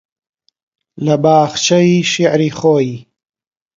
لە باخچەی شێعری خۆی